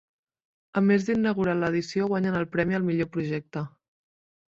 A més d'inaugurar l'edició guanyen el premi al millor projecte.